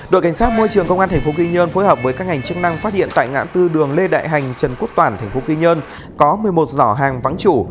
đội cảnh sát môi trường công an tp quy nhơn phối hợp với các ngành chức năng phát hiện tại ngã tư đường lê đại hành trần quốc toản tp quy nhơn có một mươi một giỏ hàng vắng chủ